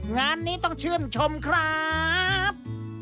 งานนี้ต้องชื่นชมครับ